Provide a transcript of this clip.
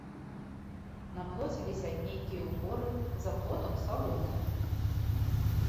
На плоце вісяць нейкія ўборы, за плотам салома.